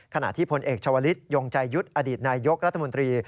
ขณะที่พลเอกชาวลิศยงใจยุทธ์อดีตนายยกรัฐมนตรี